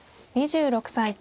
２６歳。